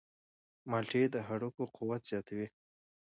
مالټې د هډوکو قوت زیاتوي.